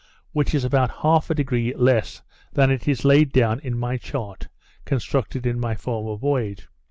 which is about half a degree less than it is laid down in my chart constructed in my former voyage.